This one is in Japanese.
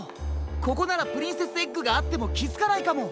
ここならプリンセスエッグがあってもきづかないかも。